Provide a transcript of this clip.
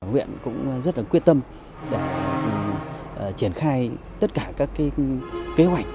huyện cũng rất là quyết tâm để triển khai tất cả các kế hoạch